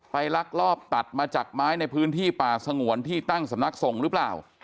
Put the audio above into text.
ลักลอบตัดมาจากไม้ในพื้นที่ป่าสงวนที่ตั้งสำนักส่งหรือเปล่า